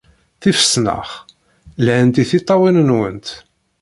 Tifesnax lhant i tiṭṭawin-nwent.